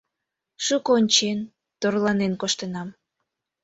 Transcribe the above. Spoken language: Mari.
Шуко ончен, торланен коштынам.